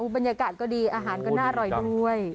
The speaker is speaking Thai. บรรยากาศก็ดีอาหารก็น่าอร่อยด้วย